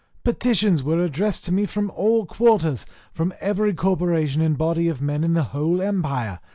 Petitions were addressed to me from all quarters, from every corporation and body of men in the whole empire.